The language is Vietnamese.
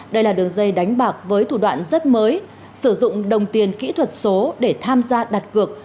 đây là đường dây đánh bạc với thủ đoạn rất mới sử dụng đồng tiền kỹ thuật số để tham gia đặt cược